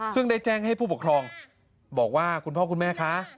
ซึ่งได้แจ้งให้ผู้ปกครองบอกว่าคุณพ่อคุณแม่คะ